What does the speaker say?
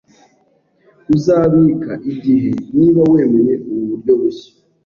Uzabika igihe niba wemeye ubu buryo bushya